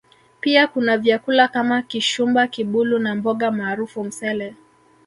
Pia kuna vyakula kama Kishumba Kibulu na mboga maarufu Msele